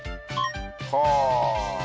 はあ。